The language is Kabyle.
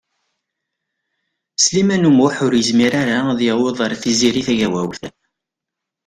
Sliman U Muḥ ur yezmir ara ad yaweḍ ar Tiziri Tagawawt.